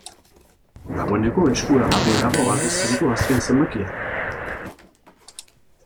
Dagoeneko eskuragarri dago aldizkariko azken zenbakia.